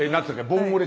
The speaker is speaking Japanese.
「ボンゴレ」？